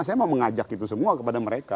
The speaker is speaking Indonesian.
saya mau mengajak itu semua kepada mereka